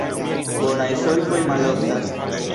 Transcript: Bonaj solvoj maloftas.